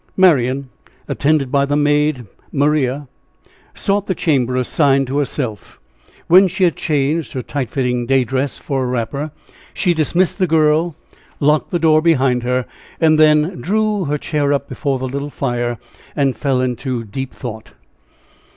Marian, attended by the maid Maria, sought the chamber assigned to herself. When she had changed her tight fitting day dress for a wrapper, she dismissed the girl, locked the door behind her, and then drew her chair up before the little fire, and fell into deep thought.